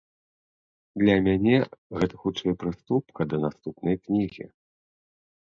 Для мяне гэта хутчэй прыступка да наступнай кнігі.